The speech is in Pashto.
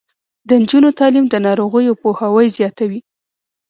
د نجونو تعلیم د ناروغیو پوهاوی زیاتوي.